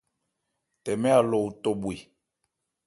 Tɛmɛ Alɔ otɔ bhwe.